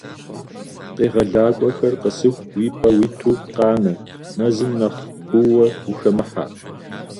Къегъэлакӏуэхэр къэсыху, уи пӏэ уиту къанэ, мэзым нэхъ куууэ ухэмыхьэ.